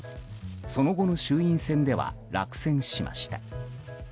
その後の衆院選では落選しました。